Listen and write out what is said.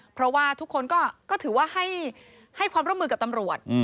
เพราะว่าทุกคนก็ถือว่าให้ความร่วมมือกับตำรวจ